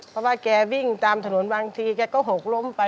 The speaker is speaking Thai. เพราะว่าแกวิ่งตามถนนบางทีแกก็หกล้มไป